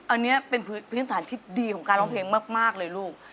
อันนี้เป็นพื้นฐานที่ดีของการร้องเพลงมากเลยลูก